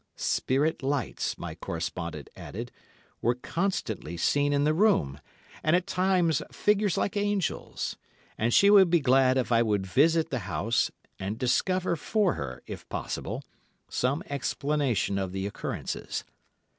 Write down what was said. Spirit lights, my correspondent added, were constantly seen in the room, and at times figures like angels, and she would be glad if I would visit the house, and discover for her, if possible, some explanation of the occurrences.